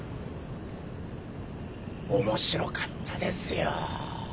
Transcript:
面白かったですよ。